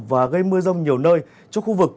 và gây mưa rông nhiều nơi cho khu vực